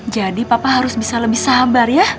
papa harus bisa lebih sabar ya